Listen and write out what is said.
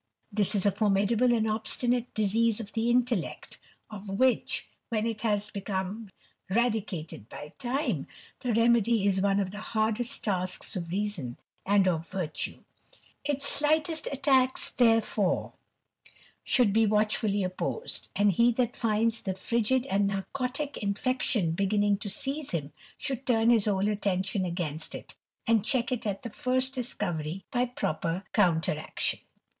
This is a formidable and obstinate disease of the intellect) of which, when it has once become radicated by time, the remedy is one of the hardest tasks of reason and of virtuft Its slightest attacks, therefore, should be watchfulif opposed; and he that finds the frigid and narcotick infec tion beginning to seize him, should turn his whole atteDtioa| gainst it, and check it at the first discovery by prope counteraction.